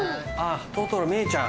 ・トトロメイちゃん。